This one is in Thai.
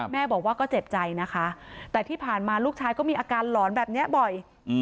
แม่บอกว่าก็เจ็บใจนะคะแต่ที่ผ่านมาลูกชายก็มีอาการหลอนแบบนี้บ่อย